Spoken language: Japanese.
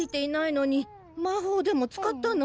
魔法でも使ったの？